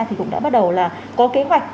thì cũng đã bắt đầu là có kế hoạch